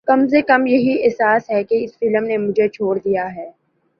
کم از کم یہی احساس ہے کہ اس فلم نے مجھے چھوڑ دیا ہے